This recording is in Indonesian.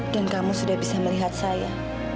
dan kamu sudah bisa melihat saya